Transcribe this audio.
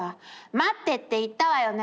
待ってって言ったわよね！